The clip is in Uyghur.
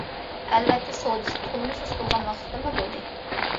ئەلۋەتتە سودىسى تولىمۇ سۇس بولغان ۋاقىتلىرىمۇ بولدى.